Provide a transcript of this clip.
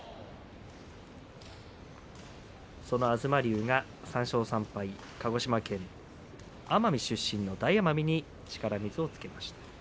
その東龍が、３勝３敗鹿児島県奄美出身の大奄美に力水をつけました。